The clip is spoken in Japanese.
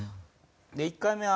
１回目は。